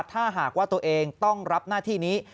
ถ้าหากว่าตัวเองต้องรับหน้าที่นี้